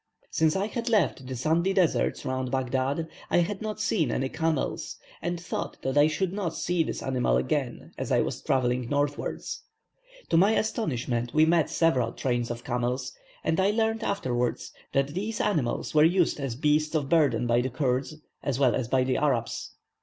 Since I had left the sandy deserts round Baghdad, I had not seen any camels, and thought that I should not see this animal again, as I was travelling northwards. To my astonishment, we met several trains of camels, and I learnt afterwards, that these animals were used as beasts of burden by the Kurds, as well as the Arabs.